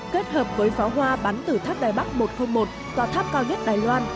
kết hợp với pháo hoa bắn từ tháp đài bắc một trăm linh một tòa tháp cao nhất đài loan